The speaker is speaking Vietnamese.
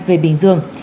về bình dương